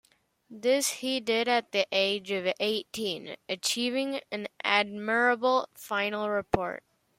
This he did at the age of eighteen, achieving an admirable final report.